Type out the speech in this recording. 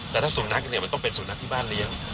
แต่ถ้าสุนัขเนี่ยมันต้องเป็นสุนัขที่บ้านเลี้ยง